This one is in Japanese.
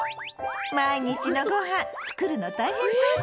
毎日のごはん作るの大変そうね